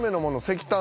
石炭